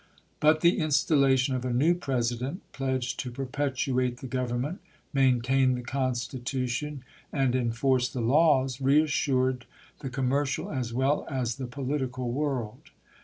But the installation of a new President, pledged to perpetuate the Government, CONGRESS 377 maintain the Constitution, and enforce the laws, chap.xxi. reassured the commercial as well as the political world.